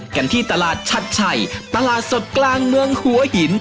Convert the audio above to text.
กันที่ตลาดชัดชัยตลาดสดกลางเมืองหัวหิน